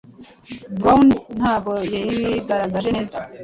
Brown ntabwo yigaragaje neza